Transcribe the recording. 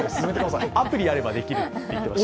アプリがあればできると言っていました。